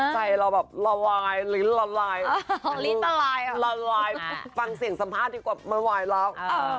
ใจเราแบบละวายลิ้นละลายลิ้นละลายฟังเสียงสัมภาษณ์ดีกว่าไม่ไหวหรอก